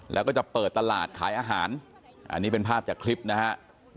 แล้วก็จะเปิดตลาดขายอาหารอันนี้เป็นภาพจากคลิปนะฮะ